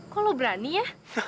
kok lo berani ya